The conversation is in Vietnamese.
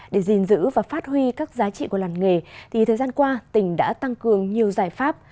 để gìn giữ và phát huy các giá trị của làng nghề thì thời gian qua tỉnh đã tăng cường nhiều giải pháp